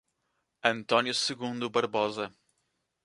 Antônio Segundo Barbosa